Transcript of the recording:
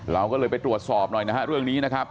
เราก็เลยไปตรวจสอบหน่อยนะฮะเรื่องนี้นะครับ